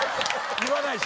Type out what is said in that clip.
言わないし。